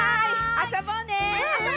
あそぼうね。